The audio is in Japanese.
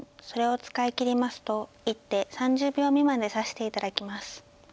それを使い切りますと一手３０秒未満で指して頂きます。